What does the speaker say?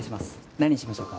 何にしましょうか？